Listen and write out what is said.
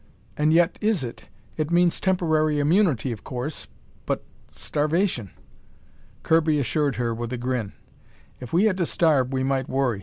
"And yet, is it? It means temporary immunity, of coarse. But starvation!" Kirby assured her with a grin. "If we had to starve we might worry.